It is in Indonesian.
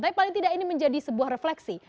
tapi paling tidak ini menjadi sebuah refleksi